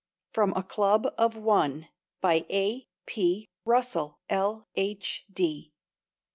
FROM A CLUB OF ONE, BY A. P. RUSSELL, L. H. D.